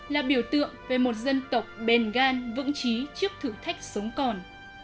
là biểu tượng về một dân tộc bền gan vững chí trước thử thách sống còn